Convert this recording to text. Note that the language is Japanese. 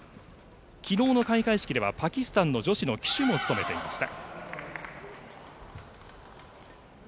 きのうの開会式ではパキスタンの女子の旗手も務めていました。